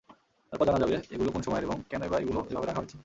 তারপর জানা যাবে, এগুলো কোন সময়ের এবং কেনই-বা এগুলো এভাবে রাখা হয়েছে।